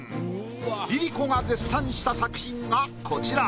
ＬｉＬｉＣｏが絶賛した作品がこちら。